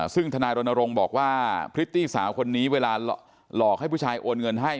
ซึ่งธนายรณรงค์บอกว่าพริตตี้สาวคนนี้เวลาหลอกให้ผู้ชายโอนเงินให้